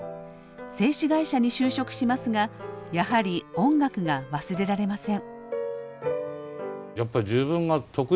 製紙会社に就職しますがやはり音楽が忘れられません。